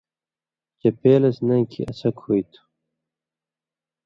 چپے لس نَیں کھیں اڅھک ہُوئ تھُو۔